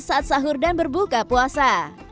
saat sahur dan berbuka puasa